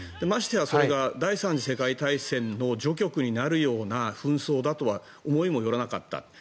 ましてやそれが第３次世界大戦の序曲になるような紛争だとは思いもよらなかった。